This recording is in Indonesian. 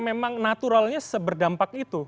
memang naturalnya seberdampak itu